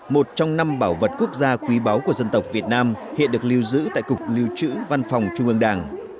một trong năm bảo vật quốc gia quý báu của dân tộc việt nam hiện được lưu giữ tại cục lưu trữ văn phòng trung ương đảng